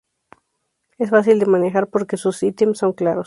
Es fácil de manejar porque sus ítems son claros.